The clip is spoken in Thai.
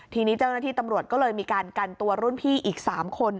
ทีนี้เจ้าหน้าที่ตำรวจก็เลยมีการกันตัวรุ่นพี่อีก๓คน